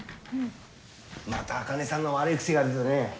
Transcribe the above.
また茜さんの悪い癖が出たね。